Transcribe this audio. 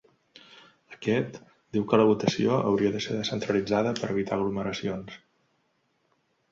Aquest diu que la votació hauria de ser descentralitzada per evitar aglomeracions.